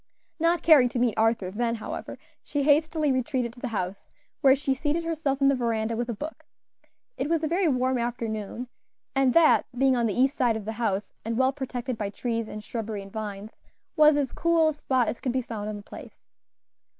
Not caring to meet Arthur then, however, she hastily retreated to the house, where she seated herself in the veranda with a book. It was a very warm afternoon, and that, being on the east side of the house and well protected by trees, shrubbery, and vines, was as cool a spot as could be found on the place.